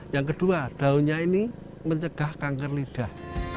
yang kedua daunnya ini mencegah kanker lidah